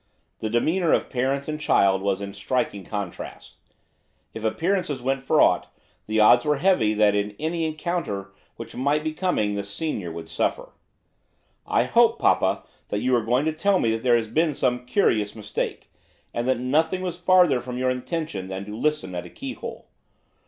The demeanour of parent and child was in striking contrast. If appearances went for aught, the odds were heavy that in any encounter which might be coming the senior would suffer. 'I hope, papa, that you are going to tell me that there has been some curious mistake, and that nothing was farther from your intention than to listen at a keyhole.